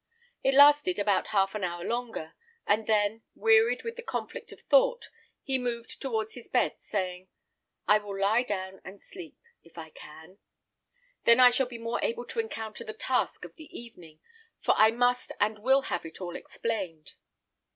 It lasted about half an hour longer, and then, wearied with the conflict of thought, he moved towards his bed, saying, "I will lie down and sleep, if I can; then I shall be more able to encounter the task of the evening; for I must and will have it all explained.